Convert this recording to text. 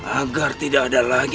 agar tidak ada lagi